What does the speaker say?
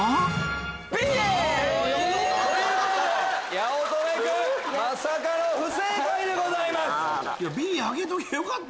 八乙女君まさかの不正解でございます！